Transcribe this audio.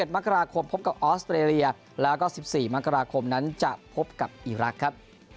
มกราคมพบกับออสเตรเลียแล้วก็๑๔มกราคมนั้นจะพบกับอีรักษ์ครับ